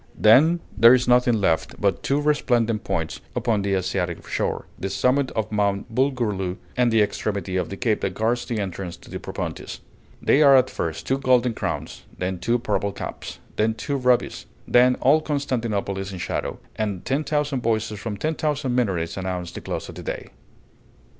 Then there is nothing left but two resplendent points upon the Asiatic shore, the summit of Mount Bulgurlu, and the extremity of the cape that guards the entrance to the Propontis; they are at first two golden crowns, then two purple caps, then two rubies; then all Constantinople is in shadow, and ten thousand voices from ten thousand minarets announce the close of the day.